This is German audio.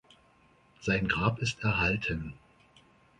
Sein Grab ist erhalten.